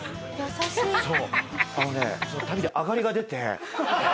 あのねその旅であがりが出て。